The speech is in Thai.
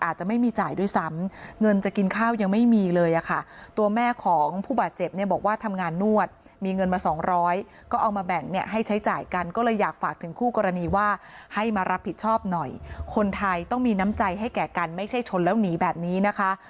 อาจจะไม่มีจ่ายด้วยซ้ำเงินจะกินข้าวยังไม่มีเลยอ่ะค่ะ